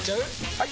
・はい！